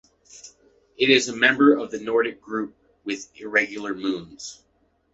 It is a member of the Nordic Group with irregular moons.